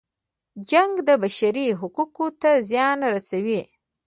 جنګ د بشري حقونو ته زیان رسوي.